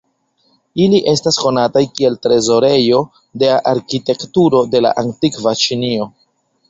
Ili estas konataj kiel trezorejo de arkitekturo de la antikva Ĉinio.